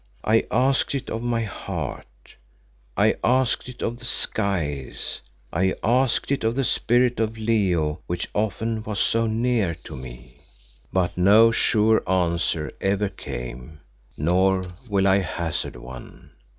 I asked it of my heart; I asked it of the skies; I asked it of the spirit of Leo which often was so near to me. But no sure answer ever came, nor will I hazard one.